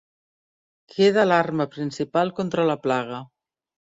Queda l'arma principal contra la plaga.